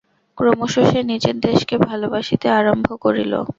ক্রমশ সে নিজের দেশকে ভালবাসিতে আরম্ভ করিল।